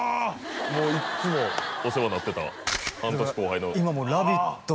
もういっつもお世話になってた半年後輩の今もう「ラヴィット！」